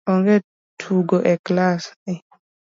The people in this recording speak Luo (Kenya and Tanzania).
Onge tugo e kilas